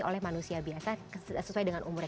oleh manusia biasa sesuai dengan umurnya